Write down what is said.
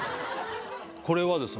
これはですね